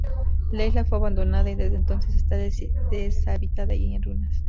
La isla fue abandonada y desde entonces está deshabitada y en ruinas.